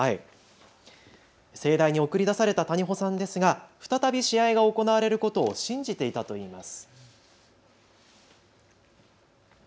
盛大に送り出された谷保さんですが、再び試合が行われることを信じていたといいます。